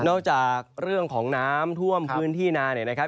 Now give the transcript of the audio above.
จากเรื่องของน้ำท่วมพื้นที่นาเนี่ยนะครับ